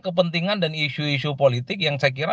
kepentingan dan isu isu politik yang saya kira